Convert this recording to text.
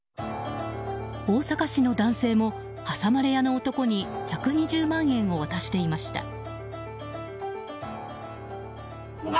大阪市の男性も挟まれ屋の男に１２０万円を渡していました。